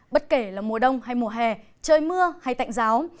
bất kể là mùa đông hay mùa hè trời mưa hay tạnh giáo